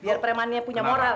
biar preman punya moral